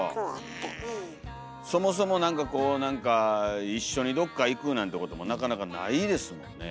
そもそも何かこう何か一緒にどっか行くなんてこともなかなかないですもんね。